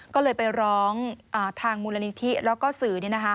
ก็เลยไปร้องทางมูลนิธิแล้วก็สื่อเนี่ยนะคะ